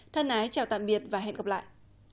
thân ái chào tạm biệt và hẹn gặp lại